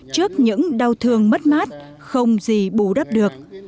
trước những đau thương mất mát không gì bù đắp được